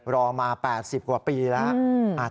รอมา๘๐กว่าปีแล้ว